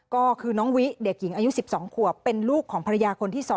ก็คือน้องวิเด็กหญิงอายุ๑๒ขวบเป็นลูกของภรรยาคนที่๒